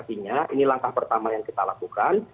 artinya ini langkah pertama yang kita lakukan